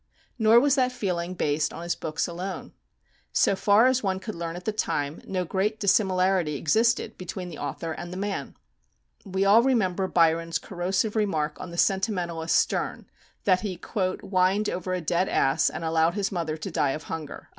Nor was that feeling based on his books alone. So far as one could learn at the time, no great dissimilarity existed between the author and the man. We all remember Byron's corrosive remark on the sentimentalist Sterne, that he "whined over a dead ass, and allowed his mother to die of hunger."